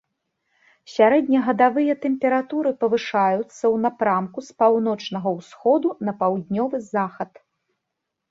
Сярэднегадавыя тэмпературы павышаюцца ў напрамку з паўночнага ўсходу на паўднёвы захад.